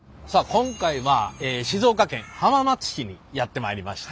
今回は静岡県浜松市にやって参りました。